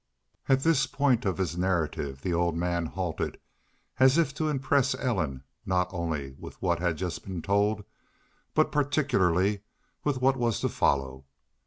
"' At this point of his narrative the old man halted as if to impress Ellen not only with what just had been told, but particularly with what was to follow.